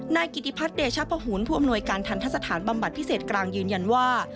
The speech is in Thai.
นายกิติพัฒนเดชประหารผู้อำนวยการทันทะสถานบำบัดพิเศษกลางยืนยันว่า